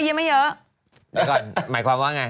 เดี๋ยวก่อนหมายความว่าไง